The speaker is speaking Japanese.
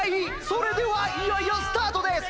それではいよいよスタートです！